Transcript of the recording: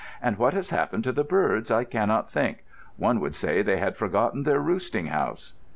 "And what has happened to the birds I cannot think. One would say they had forgotten their roosting house."